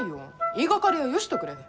言いがかりはよしとくれ。